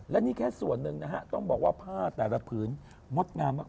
และนี่แค่ส่วนหนึ่งนะฮะต้องบอกว่าผ้าแต่ละผืนงดงามมาก